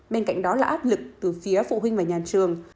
bên cạnh đó là áp lực từ phía phụ huynh và nhà trường